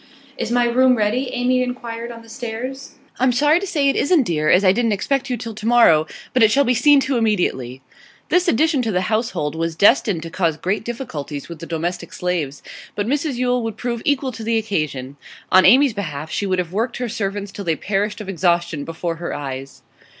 'Is my room ready?' Amy inquired on the stairs. 'I'm sorry to say it isn't, dear, as I didn't expect you till tomorrow. But it shall be seen to immediately.' This addition to the household was destined to cause grave difficulties with the domestic slaves. But Mrs Yule would prove equal to the occasion. On Amy's behalf she would have worked her servants till they perished of exhaustion before her eyes.